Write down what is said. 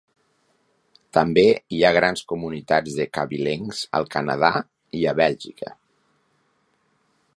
També hi ha grans comunitats de cabilencs al Canadà i a Bèlgica.